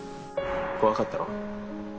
怖かったろ？